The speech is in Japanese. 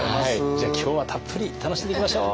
じゃあ今日はたっぷり楽しんでいきましょう！